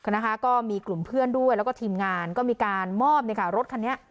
นะคะก็มีกลุ่มเพื่อนด้วยแล้วก็ทีมงานก็มีการมอบรถคันนี้